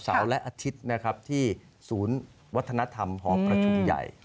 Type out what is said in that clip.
ประดาคมศาวและอาทิตย์โหกประชุมใหญ่